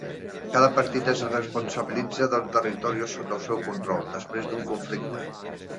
Cada partit es responsabilitza del territori sota el seu control després d'un conflicte.